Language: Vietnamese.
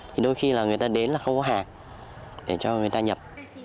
thì đôi khi là người ta đến là không có hàng để cho người ta nhập